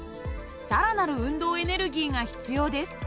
更なる運動エネルギーが必要です。